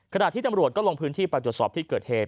ขณะที่ตำรวจก็ลงพื้นที่ไปตรวจสอบที่เกิดเหตุ